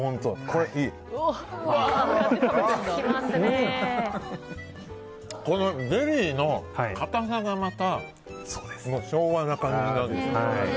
このゼリーの硬さが昭和な感じなんですよ。